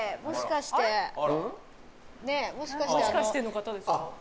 もしかしてあのもしかしての方ですか？